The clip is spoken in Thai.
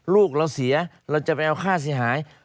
ลูกเราเสียเราจะไปเอาค่าเสียหาย